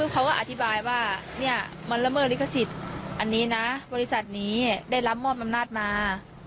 เขาก็อธิบายว่ามันละเมิดลิขสิทธิ์อันนี้นะบริษัทนี้ได้รับมอบอำนาจมา